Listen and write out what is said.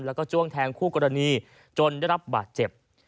แล้วก็จ้วงแทงคู่กรณีจนได้รับบาดเจ็บ